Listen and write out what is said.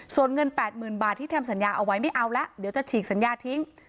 ส่วนเงิน๘๐๐๐บาทที่ทำสัญญาเอาไว้ไม่เอาแล้วเดี๋ยวจะฉีกสัญญาทิ้ง